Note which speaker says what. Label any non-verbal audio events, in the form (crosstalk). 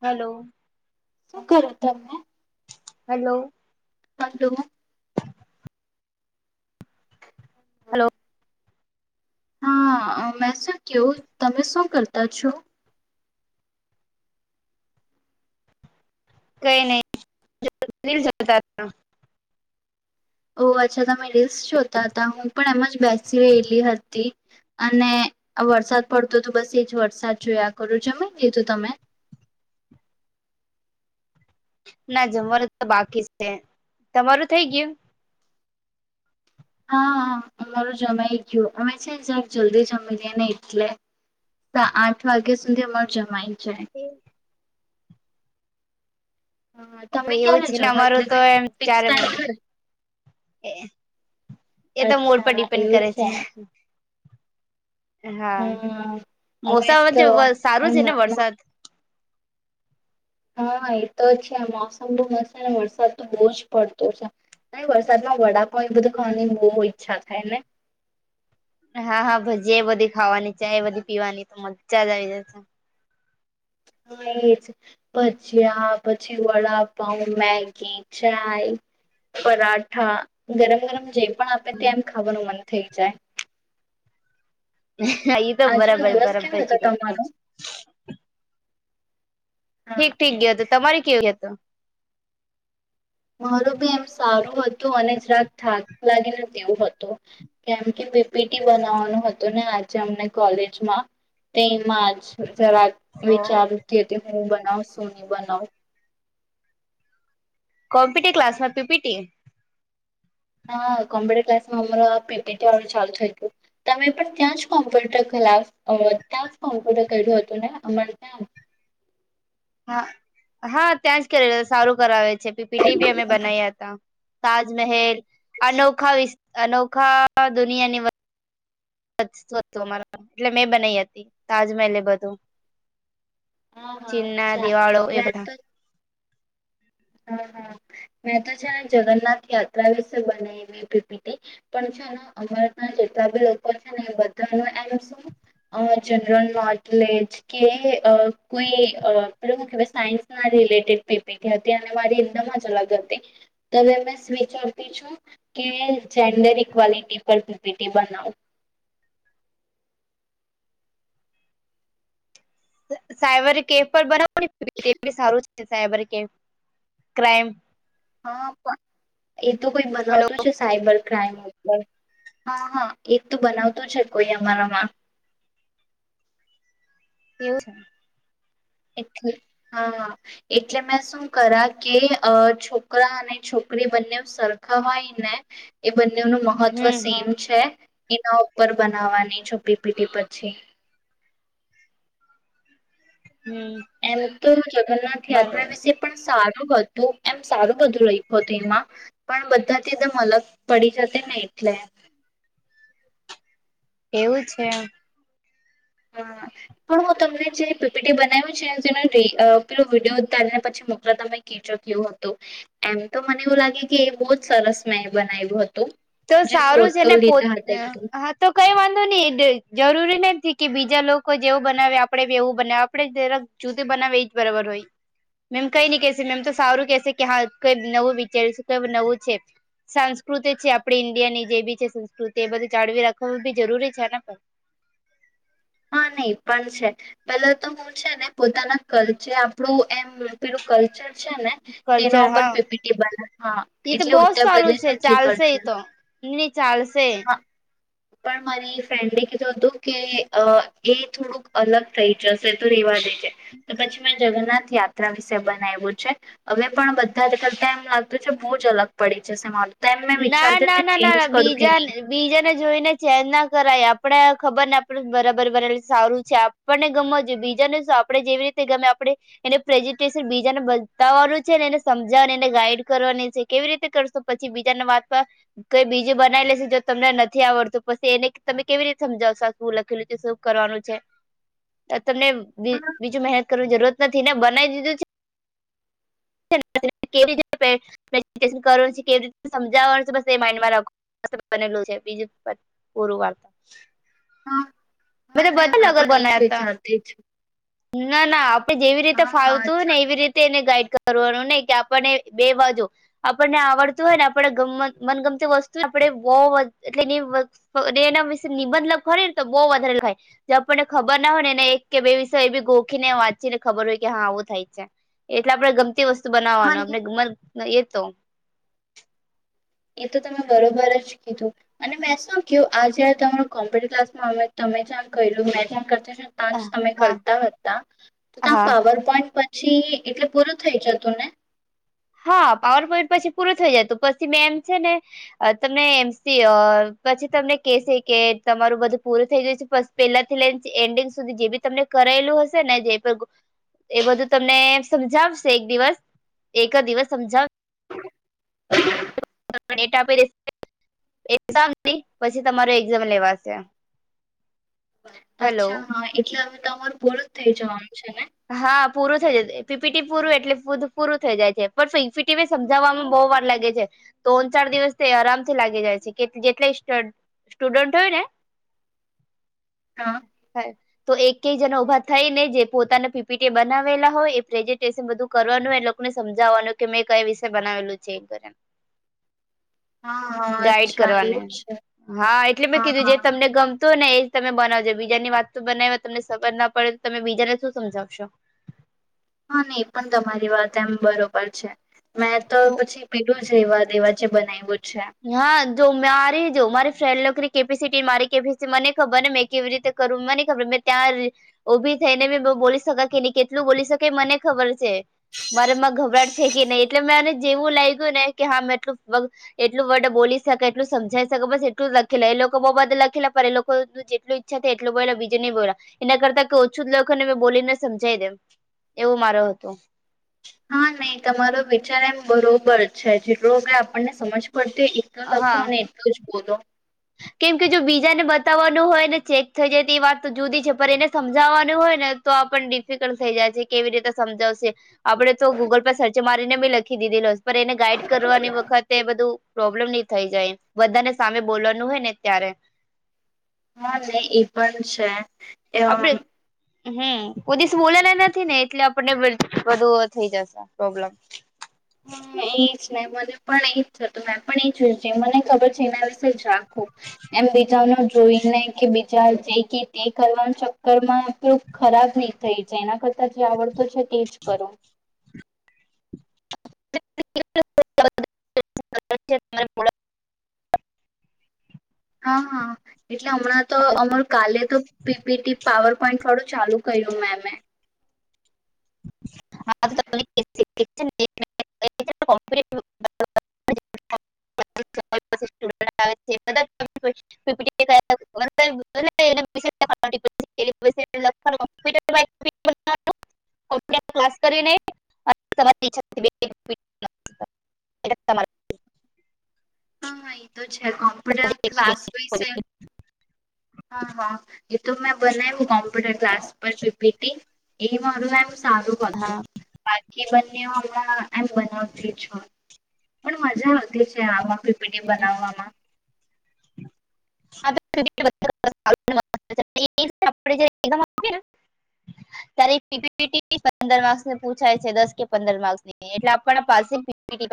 Speaker 1: Hello.
Speaker 2: શું કરો તમે
Speaker 1: હેલો.
Speaker 2: હલો.
Speaker 1: હલો
Speaker 2: હા મેસ કયો તમે શું કરતા છો
Speaker 1: કઈ નહી દલ જતા
Speaker 2: ઓ અચ્છા તમે રિસ જોતા હતા હું પણ એમ જ બેસી રહેલી હતી અને વરસાદ પડતો તો બસ એ જ વરસાદ જોયા કરું જમી લીધું તમે (inaudible)
Speaker 1: ના જમવાનું તો બાકી છે તમારું થઈ ગયું
Speaker 2: હા હ અરો જમા એઈ ગું અમે છે જલ્દી જમી દનેઈ આઠ વાગ્યા સુધી અમાર જમાય
Speaker 1: હમ
Speaker 2: હા તમે
Speaker 1: એવું
Speaker 2: ક્યારે
Speaker 1: છે ને
Speaker 2: જમો એટલે
Speaker 1: અમારું તો
Speaker 2: કઈ
Speaker 1: એમ
Speaker 2: ફિક્સ
Speaker 1: ચારે
Speaker 2: ટાઈમ
Speaker 1: મોડું
Speaker 2: છે?
Speaker 1: એ એ તો મોડ પર
Speaker 2: અચ્છા
Speaker 1: ડિપેન્ડ
Speaker 2: એવું
Speaker 1: કરે છે હા
Speaker 2: હમ અમે
Speaker 1: મોસમ
Speaker 2: તો
Speaker 1: જે સારું
Speaker 2: એમ
Speaker 1: છે ને વરસાદ
Speaker 2: હા એતો જ છે મોસમ બ હશેને વરસાદ તો બહુ જ પડતો છે ન વરસાદમાં વડાકો એ બધું ખાવાની બહુ ઈચ્છા થાય ને
Speaker 1: હા હા ભાજી એ બધી ખાવાની ચા બધી પીવાની તો મજા જ આવી જશે
Speaker 2: હા એજ ભજયા પછી વડાપઉ મેગી ચાય પરાઠા ગરમ ગરમ જે પણ આપે તે એમ ખાવાનું મન થઈ જાય
Speaker 1: એ તો
Speaker 2: આજનો
Speaker 1: બરાબર
Speaker 2: દિવસ કેવો
Speaker 1: બરાબર
Speaker 2: હતો
Speaker 1: કીધ
Speaker 2: તમારો હા
Speaker 1: ઠીક ઠીક
Speaker 2: એમ
Speaker 1: ગયા હતો તમારે કેવ હતો
Speaker 2: માર બી એમ સારું હતું અને જ રાક થાક લાગીને તેવું હતું કેમ કે બીપીટી બનાવવાનું હતું ને આજે અમને કોલેજમાં તે જ જરા વિચારતી હતી હું બનાવ છું નની બનાવ
Speaker 1: કોમ્પ્યુટર ક્લાસમાં પીપીટી
Speaker 2: હા કોમ્પ્યુટર ક્લાસમાં અમારા પીપી આ ચાલુ થયું હતું અમે પણ ત્યાં જ કોમ્પ્યુટર ક્ ત કોમ્પ્યુટર કર્યું હતું ને અમાર ત્યા
Speaker 1: હા હા ત્યાં જ કરી સારું કરાવે છે પીપીટી બી અમે બનાવ્યા હતા તાજમહેલ અનોખા વિ અનોખા દુનિયાની વ તું હતું એટલે મેં બનાઈ હતી તાજમહેલ એ બધું
Speaker 2: હા હા
Speaker 1: ચીનના
Speaker 2: અચ્છા
Speaker 1: દિવાળો એ બધા
Speaker 2: હ હા મેં તો છે જગન્નાથ યાત્રા વિશે બને પીપીટી પણ અમર ના જેટલા બી લોકો છે ને એ બધા ન એમ શું. અ જનરલ નોલેજ કે અ કોઈ પેલું શું કેવાય સાયન્સ ના રિલેટેડ પીપીટી અને મારી એદમ જ અલગ હતી (unintelligible) (unintelligible) બનાવું
Speaker 1: સાયબર કેફ પર બનાવો પીપીટી સારું છે સાયબર કેફ ક્રાઈમ
Speaker 2: હા પણ એ તો કોઈ
Speaker 1: હલો
Speaker 2: બનાવતું છે સાયબર હા હા એ તો બનાવતું છે કોઈ અમારામાં. (inaudible)
Speaker 1: એવું છે.
Speaker 2: એટલે હા એટલે મેં શું કર કે અ છોકરા અને છોક છોકરી બંને સરખા હોય ને એ બંનેનું મહત્વ
Speaker 1: હમ હ
Speaker 2: સેમ છે એના ઉપર બનાવવાની છ પીપીટી પછી
Speaker 1: હમ
Speaker 2: એમ તો જગન્નાથ યાત્રા
Speaker 1: બરાબર
Speaker 2: વિશે પણ સારું હતું એમ સારું બધું લખ્યું હતું એમાં પણ બધાથી જેમ અલગ પડી જતી નહી એટલે
Speaker 1: એવું છે.
Speaker 2: હા. (unintelligible) તમને જે પીપીટી બનાવ્યું છે તે પેલો વિડીયો ઉતારીને પછી મોકલા તમે (unintelligible) હતું એમ તો મને એવું લાગે કે એ બહુ જ સરસ મેં બનાવ્યું હતું.
Speaker 1: તો
Speaker 2: જે
Speaker 1: સારું છે
Speaker 2: ફોટો
Speaker 1: ને પો
Speaker 2: લીધા હતા એકદમ
Speaker 1: હા તો કઈ વાંધો નહી જરૂરી નથીને કે બીજ બીજા લોકો જેવું બનાવે આપણેે એવું બનાવે આપણે જરાક જુદું બનાવે એજ બરાબર હોય. મેમ કઈ નઈ કેશે મેમ તો સારું કેશે કે હા કઈ નવું વિચારીશું કે નવું છે. સંસ્કૃતિ આપ આપણી ઈન્ડિયા ની જે બી છે સંસ્કૃતિ એ બધું જાળવી રાખ બી જરૂરી છે ને પણ.
Speaker 2: હા નહી પણ છે પેલા તો હું છે ને પોતાના કલ્ચર આપણું એમ પેલું કલ્ચર છે ને
Speaker 1: કલ્ચર
Speaker 2: તેના ઉપર
Speaker 1: હા
Speaker 2: પીપીટી બનાવું હા
Speaker 1: એ તો
Speaker 2: એટલે
Speaker 1: બહુ
Speaker 2: ઉત્તર
Speaker 1: સારું
Speaker 2: પ્રદેશ
Speaker 1: છે
Speaker 2: કલ્ચર
Speaker 1: ચાલશે
Speaker 2: છે.
Speaker 1: એ તો ની ચાલશે.
Speaker 2: પણ મારી ફ્રેન્ડે કીધું હતું કે એ થોડુંક અલગ થઇ જશે તો રેવા દે. તો પછી મે જગન્નાથ યાત્રા વિશે બનાવ્યું છે હવે પણ બધા જ કરતા એમ લાગતું છે બહુ જ અલગ પડી જશે મારું તો એમ મેં
Speaker 1: ના ના
Speaker 2: વિચારતી
Speaker 1: ના ના
Speaker 2: ચેન્જ કરું કે
Speaker 1: બીજા
Speaker 2: નહી
Speaker 1: બીજા ને જોઈને ચેક ના કરાય આપણેે ખબર ને આપણે બરાબર બનેલ સારું છે આપણને ગમે સમજ બીજાને શું આપડણે જેવી રીતે ગમે આપણે એને પ્રેઝન્ટેશન બીજાને બતાવાનું છે ને એને સમ (unintelligible) ગાઈડ કરવાની છે કેવી રીતે કરશો પછી વાતમાં કોઈ બીજું બનાવી લેશે જો તમને નથી આવડતું પછી એને તમે કેવી રીતે સમજાવો લખેલું છે, શું કરવાનું છે. તમને
Speaker 2: હા
Speaker 1: બીજું મહેનત કરવાની જરૂરત નથી ને બનાવી દીધું છે. (unintelligible) કેવી રીતે પ્રેઝન્ટેશન કરવાનું છે કેવી રીતે સમજાવવાનું છે બસ એ માઇન્ડમાં બનેલું છે. બીજું પૂરું વાતા.
Speaker 2: હા હા મે મે પણ એજ
Speaker 1: બનાયા હતા
Speaker 2: વિચારતી
Speaker 1: ના ના આપડે જેવી રીતે
Speaker 2: હા હા
Speaker 1: ફાવતું ને
Speaker 2: અચ્છા
Speaker 1: એવી રીતે એને ગાઈડ કરવાનું નહી કે આપણને બે બાજુ આપણને આવડતું હોય ને આપ મનગમતી વસ્તુ આપડે બહું એટલે એ એના વિશે નિબંધ ખલી ને તો બહુ વધારે થાય આપને ખબર ના હો ને એક કે બે એ બી ગોખી ને વાંચી ને ખબર હોય કે હા આવું થાય છે એટલે આપડે ગમતી વસ્તુ
Speaker 2: હા
Speaker 1: બનાવવાનું
Speaker 2: ને
Speaker 1: આપણે ગ એ તો
Speaker 2: એ તો તમે બરોબર જ કીધું અને મેં શું ક્યું આ જયારે તમારું કોમ્પ્યુટર ક્લાસ માંમે મે જ્યાં કરું મેં ત્યાં કરતા ત્યાં જ તમે
Speaker 1: હા
Speaker 2: કરતા હતા તો ત્યાં
Speaker 1: હા
Speaker 2: પાવર પોઈન્ટ પણ પછી એટલે પૂરું થઇ જતું ને
Speaker 1: હા પાવર પોઈન્ટ પછી પૂરો થઈ જાય તો પછી મેં એમ છે ને તમે એમસી પછી તમને કેસે કે તમારું બધું પૂરું થઈ ગયું છે પેલા થી લઈને એન્ડિંગ સુધી જે બી તમને કરેલું હશે ને જે એ બધું તમને સમજાવશે એક દિવસ એક દિવસ સમજાવ (unintelligible) એામ કરી પછી તમારો એક્ઝામ લેવાશે હેલો
Speaker 2: અચ્છા હા એટલે હવે તમારું પુરુ જ થઇ જવાનું છે ને?
Speaker 1: હા પૂરું થઈ જ પીપીટી પૂરું એટલે પૂરું થઈ જાય છે પણ પીપીટીને સમજાવવામાં બ વાર લાગે છે, ત્રણ ચાર દિવસ તે આરામથી લાગી જાય છે કે જેટલા સ્ટુડન્ટ હોય ને
Speaker 2: હા
Speaker 1: તો એક ક જનો ઉભા થાય ને જે પોતાને પીપીટી બનાવેલા હોય એ પ્રેઝન્ટેશન બધું કરવાનું એ લોકોને સમજાવવાનું કે મેં કઈ વિષે બનાવેલું છે. કર
Speaker 2: (unintelligible) હા હા
Speaker 1: ગાઈડ
Speaker 2: અચ્છા
Speaker 1: કરવાને
Speaker 2: એવું છે
Speaker 1: હા એટલે મેં
Speaker 2: હા
Speaker 1: કીધું
Speaker 2: હા
Speaker 1: જે તમને ગમ તો ને એ જ તમે બનાવજો બીજાની વાતો બનાવીવા તમને ખબર ના પડે તો તમે બીજાને શું સમજાવો શછો
Speaker 2: હા ની એ પણ તમારી વાત એમ બરોબર છે, મેં તો પછી પેલું સેવા દેવા છે, બનાવી બ
Speaker 1: હા જો મારી જો મારી ફ્રેન્ડ લકરી કેપેસિટી મારી કેપટી મને ખબર ને મેં કેવી રીતે કરું મને ખબર મે ત્યાં ઊભી થઈ ને મે બ બોલી શક કે ન કેટલું બોલી શકે મને ખબર છે. મારેમાં ગભરાટશે છે, કે નહી એટલે મેંને જેવું લાગ્યું ને કે હા મે એટલું એટલું વર્ડ બોલી શકે એટલું સમજાવીકે બસ એટલું લખેલા એ લોકો બહુ બધ લખેલા પણ એ લોકો જેટલ ઈચ્છા એટલો બોલા બીજે ન બોલા એના કરતાઈ ઓછું જ લખો ને મેં બોલીને સમજાઇ દેમ એવું મારો હતૂ
Speaker 2: હા નહી તમારો વિચાર એમ બરોબર છે જેટલો હ આપણને સમજ પણ તે એટલો લખો
Speaker 1: હા
Speaker 2: અને એટલલો જ બોલો
Speaker 1: કેમ કે જો બીજાને બતાવવાનું હોય ને ચેક થઈ જાય તો એ વાત તો જુદી છે, પણ એને સમજાવાનું હોય તો પણ ડિફિકલ્ટ થઈ જાય છે, કેવી રીતે સમજાવશે આપણેે તો ગૂગલ પર સર્ચ મારીને બી લખી એને ગાઈડ કરવાની વખતે બધું પ્રોબ્લેમ નહી થઈ જાય બધાને સામે બોલવાની હોય ને ત્યારે
Speaker 2: હા નહી એ પણ છે.
Speaker 1: આપડે હમ કોઈ દિવસ બોલેને નથી ને એટલે આપણને બધું થઈ જશે પ્રોબ્લેમ
Speaker 2: હા એ મને પણ એ જતું મેં પણ એઈ જોય જે મને ખબર છે એના વિશે જ રાખું એમ બીજા જોઈને કે બીજા જે કે તે કરવાના ચક્કરમાં આપલું ખરાબ નહીં થઈ જાય એ કરતા જે આવડતો છે, તે જ કરો
Speaker 1: (inaudible) (unintelligible)
Speaker 2: હ હા એટલે હમણાં તો અમાર કાલે તો પીપીટી પાવર પોઈન્ટ થોડો ચાલુ કર્યું મેમે
Speaker 1: (inaudible) (inaudible) (unintelligible) (unintelligible)
Speaker 2: (inaudible)
Speaker 1: (unintelligible) ક્લાસ કરીને (unintelligible) એ (unintelligible)
Speaker 2: હા એ તો છે કોમ્પ્યુટર ક્લાસ વિષય
Speaker 1: કોઈ-
Speaker 2: હા હા એ તો મેં બનાવ્યું કોમ્પ્યુટર ક્લાસ પર પી પી ટી એ મારું એમ સારું હતું
Speaker 1: હા.
Speaker 2: બાકી બંને હમણાં એમ બનાવતી છુ પણ મજા આવતી છે આમાં પી પી ટી બનાવવામાં
Speaker 1: (unintelligible) (unintelligible) પંદર માર્સને પૂછાય છે, દસ કે પંદર માર્સ ની એટલે આપણ પાસ (unintelligible)